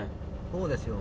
そうですよ。